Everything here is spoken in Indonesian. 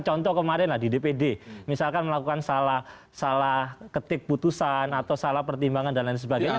contoh kemarin lah di dpd misalkan melakukan salah ketik putusan atau salah pertimbangan dan lain sebagainya